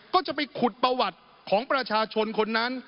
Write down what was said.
ก็จะไปขุดประวัติของประชาชนคนนั้น